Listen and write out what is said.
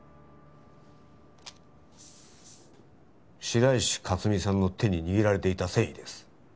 白石佳澄さんの手に握られていた繊維です。